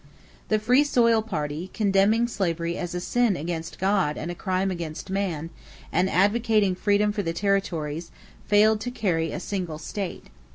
The Free Soil party, condemning slavery as "a sin against God and a crime against man," and advocating freedom for the territories, failed to carry a single state.